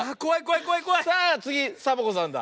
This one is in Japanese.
さあつぎサボ子さんだ。